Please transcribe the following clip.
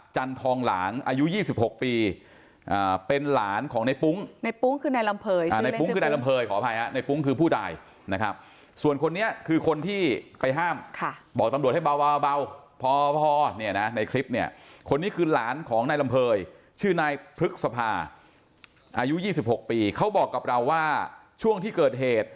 จันทองหลางอายุ๒๖ปีเป็นหลานของในปุ๊งในปุ๊งคือนายลำเภยในปุ๊งคือนายลำเภยขออภัยฮะในปุ๊งคือผู้ตายนะครับส่วนคนนี้คือคนที่ไปห้ามบอกตำรวจให้เบาพอเนี่ยนะในคลิปเนี่ยคนนี้คือหลานของนายลำเภยชื่อนายพฤกษภาอายุ๒๖ปีเขาบอกกับเราว่าช่วงที่เกิดเหตุ